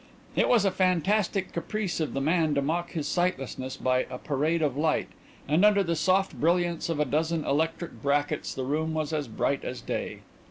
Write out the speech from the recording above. It was a fantastic caprice of the man to mock his sightlessness by a parade of light, and under the soft brilliance of a dozen electric brackets the room was as bright as day.